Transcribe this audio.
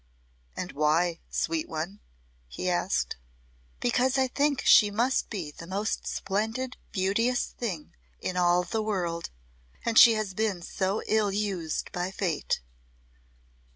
"And why, sweet one?" he asked. "Because I think she must be the most splendid beauteous thing in all the world and she has been so ill used by Fate.